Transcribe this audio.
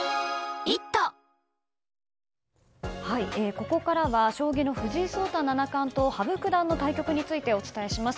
ここからは将棋の藤井聡太七冠と羽生九段の対局についてお伝えします。